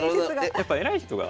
やっぱ偉い人が。